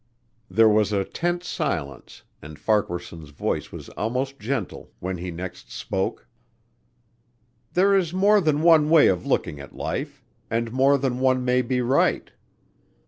There was a tense silence and Farquaharson's voice was almost gentle when he next spoke. "There is more than one way of looking at life and more than one may be right.